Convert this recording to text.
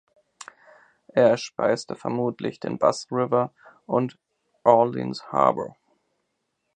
Er speiste vermutlich den Bass River und Orleans Harbor.